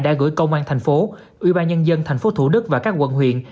đã gửi công an thành phố ubnd tp thủ đức và các quận huyện